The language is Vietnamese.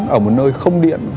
ở một nơi không điện